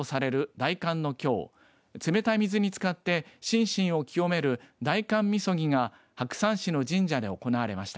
大寒のきょう冷たい水に浸かって心身を清める大寒みそぎが白山市の神社で行われました。